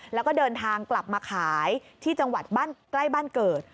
แล้วก็เดินทางกลับมาขายที่จังหวัดบ้านใกล้บ้านเกิด